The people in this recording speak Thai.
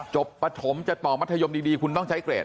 ปฐมจะต่อมัธยมดีคุณต้องใช้เกรด